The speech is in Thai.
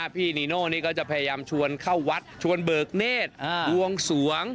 พี่นีโน่นี่ก็จะพยายามชวนเข้าวัดชวนเบิกเนธบวงสวง